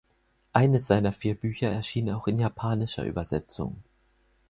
Eines seiner vier Bücher erschien auch in japanischer Übersetzung.